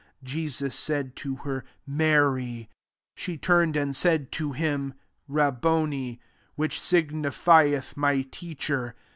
16 Jesus said to her, " Mary." She turned, and said to him, « Rabboni." Which signifieth. My Teacher.